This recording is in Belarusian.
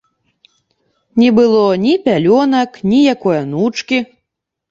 Не было ні пялёнак, ні якой анучкі.